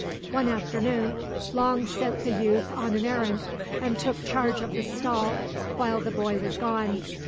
One afternoon Long sent the youth on an errand and took charge of the stall while the boy was gone.